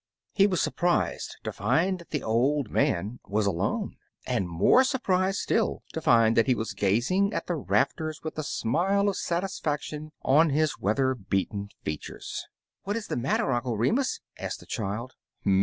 He was surprised to find that the old man was alone, and more surprised still to find that he was gazing at the rafters with a smile of satisfaction on his weather beaten features. "What is the matter, Uncle Remus?'* asked the child.